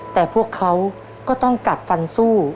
แต่พวกเขาก็ต้องกัดฟันสู้